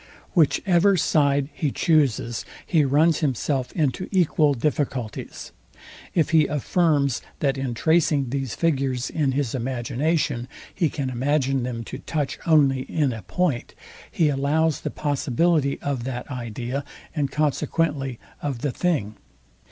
Whichever side he chuses, he runs himself into equal difficulties. If he affirms, that in tracing these figures in his imagination, he can imagine them to touch only in a point, he allows the possibility of that idea, and consequently of the thing.